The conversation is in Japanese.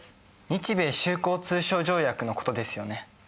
日米修好通商条約のことですよね。